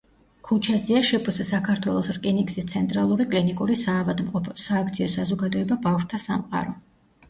ქუჩაზეა შპს საქართველოს რკინიგზის ცენტრალური კლინიკური საავადმყოფო, სააქციო საზოგადოება „ბავშვთა სამყარო“.